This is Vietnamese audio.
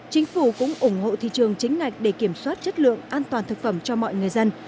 chính phủ cũng ủng hộ thị trường chính ngạch để kiểm soát chất lượng an toàn thực phẩm cho mọi người dân